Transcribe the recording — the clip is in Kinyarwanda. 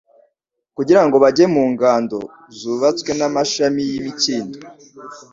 kugira ngo bajye mu ngando zubatswe " n'amashami y'imikindo,